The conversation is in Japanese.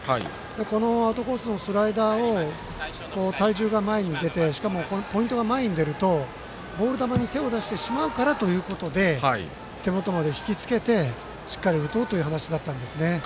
このアウトコースのスライダーを体重が前に出てしかも、ポイントが前に出るとボール球に手を出してしまうからということで手元まで引きつけてしっかり打とうという話だったんですね。